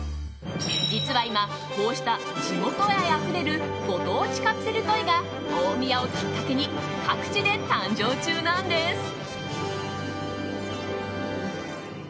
実は今、こうした地元愛あふれるご当地カプセルトイが大宮をきっかけに各地で誕生中なんです。